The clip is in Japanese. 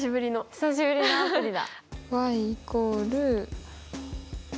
久しぶりのアプリだ。